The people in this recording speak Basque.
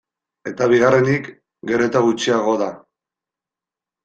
Eta bigarrenik, gero eta gutxiago da.